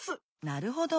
なるほど。